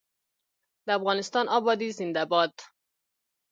د افغانستان ابادي زنده باد.